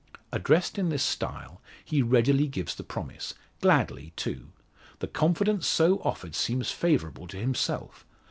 Addressed in this style, he readily gives the promise gladly, too. The confidence so offered seems favourable to himself.